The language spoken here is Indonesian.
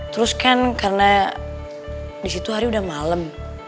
terus kan karena disitu hari udah malam